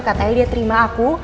katanya dia terima aku